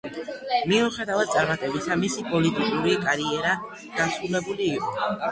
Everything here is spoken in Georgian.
მიუხედავად წარმატებისა მისი პოლიტიკური კარიერა დასრულებული იყო.